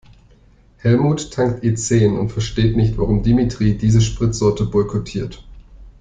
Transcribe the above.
Helmut tankt E-zehn und versteht nicht, warum Dimitri diese Spritsorte boykottiert.